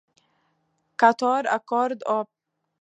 Quatuor à cordes op.